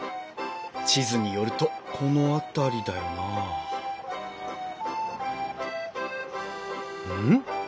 地図によるとこの辺りだよなうん？